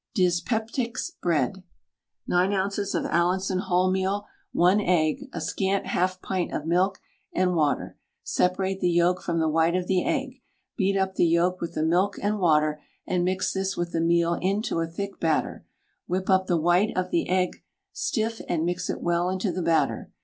DYSPEPTICS' BREAD. 9 oz. of Allinson wholemeal, 1 egg, a scant 1/2 pint of milk and water. Separate the yolk from the white of the egg. Beat up the yolk with the milk and water, and mix this with the meal into a thick batter; whip up the white of the egg stiff, and mix it well into the batter.